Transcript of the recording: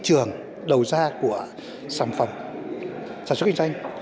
trường đầu ra của sản phẩm sản xuất kinh doanh